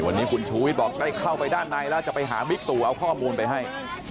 วันนี้คุณชูวิทย์บอกได้เข้าไปด้านในแล้วจะไปหาบิ๊กตู่เอาข้อมูลไปให้